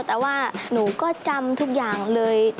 แต่ว่าหนูก็จำทุกอย่างเลย